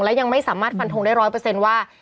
และยังไม่สามารถฟันทงได้ร้อยเปอร์เซ็นต์ว่า